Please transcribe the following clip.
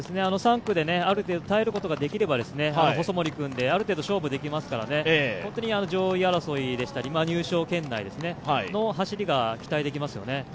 ３区である程度耐えることができれば、細森君である程度勝負できますから上位争いでしたり入賞圏内の走りが期待できますよね。